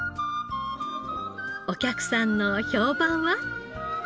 お客さんの評判は？